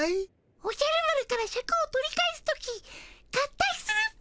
おじゃる丸からシャクを取り返す時合体するっピ。